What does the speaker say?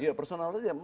iya personal saja